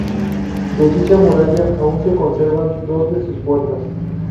De dicha muralla aún se conservan dos de sus puertas.